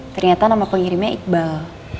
ternyata nama pengirimnya iqbal